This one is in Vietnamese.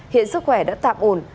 hiện sức khỏe đã tạm ổn